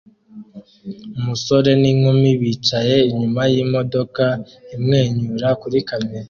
Umusore n'inkumi bicaye inyuma yimodoka imwenyura kuri kamera